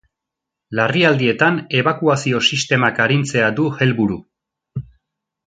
Larrialdietan ebakuazio-sistemak arintzea du helburu.